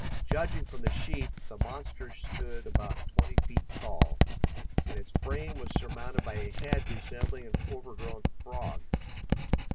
Judging from the sheep, the monster stood about twenty feet tall, and its frame was surmounted by a head resembling an overgrown frog.